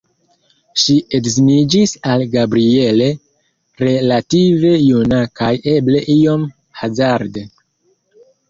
Ŝi edziniĝis al Gabriel relative juna kaj eble iom hazarde.